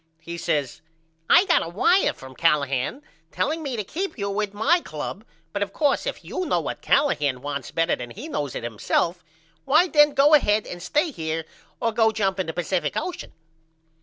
He says I got a wire from Callahan telling me to keep you with my club but of coarse if you know what Callahan wants better than he knows it himself why then go ahead and stay here or go jump in the Pacific Ocean.